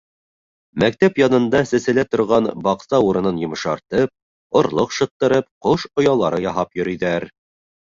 Мәктәп янында сәселә торған баҡса урынын йомшартып, орлоҡ шыттырып, ҡош оялары яһап йөрөйҙәр.